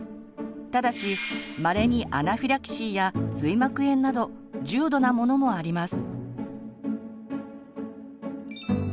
ただしまれにアナフィラキシーや髄膜炎など重度なものもあります。